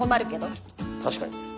確かに。